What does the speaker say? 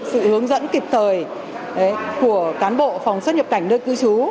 sự hướng dẫn kịp thời của cán bộ phòng xuất nhập cảnh nơi cư trú